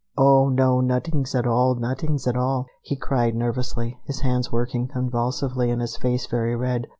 "Oh, no, nuttings at all, nuttings at all!" he cried nervously, his hands working convulsively and his face very red.